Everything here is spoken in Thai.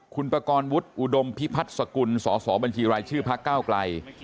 คุณปกรณ์วุฒิอุดมพิพัฒน์สกุลสบรชภเก้าไกล